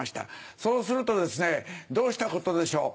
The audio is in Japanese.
そうするとですねどうしたことでしょう。